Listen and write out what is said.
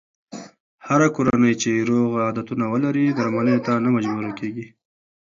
هره کورنۍ چې روغ عادتونه ولري، درملنې ته نه مجبوره کېږي.